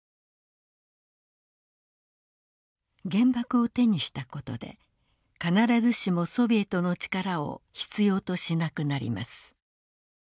原爆を手にしたことで必ずしもソビエトの力を必要としなくなります。